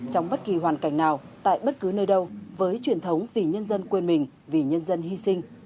trong bất kỳ hoàn cảnh nào tại bất cứ nơi đâu với truyền thống vì nhân dân quên mình vì nhân dân hy sinh